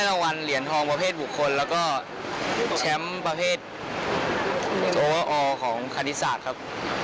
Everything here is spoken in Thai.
รางวัลเหรียญทองประเภทบุคคลแล้วก็แชมป์ประเภทโอเวอร์อของคณิตศาสตร์ครับ